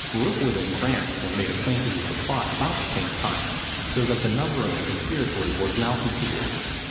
Rookwood and Grant were made acquainted with the plot about the same time; so that the number of the conspirators was now completed.